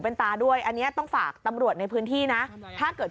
มันกลับมาที่สุดท้ายแล้วมันกลับมาที่สุดท้ายแล้ว